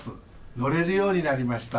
乗れるようになりました。